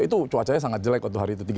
itu cuacanya sangat jelek waktu hari ketiga